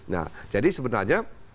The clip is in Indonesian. nah jadi sebenarnya